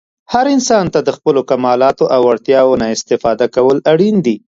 هر انسان ته د خپلو کمالاتو او وړتیاوو نه استفاده کول اړین دي.